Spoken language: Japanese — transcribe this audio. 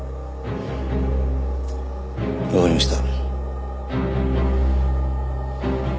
わかりました。